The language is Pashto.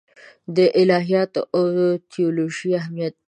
د الهیاتو او تیولوژي اهمیت دی.